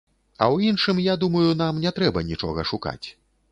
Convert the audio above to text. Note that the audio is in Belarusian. А ў іншым, я думаю, нам не трэба нічога шукаць.